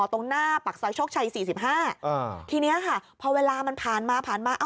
ตรงหน้าปากซอยโชคชัย๔๕ทีนี้ค่ะพอเวลามันผ่านมาผ่านมา